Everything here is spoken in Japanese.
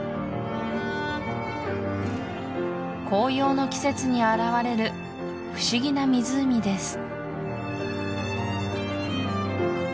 紅葉の季節に現れる不思議な湖です